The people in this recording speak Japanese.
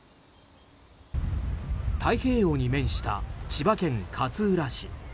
太平洋に面した千葉県勝浦市。